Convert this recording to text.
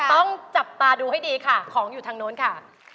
ต้องจับตาดูให้ดีค่ะของอยู่ทางโน้นค่ะ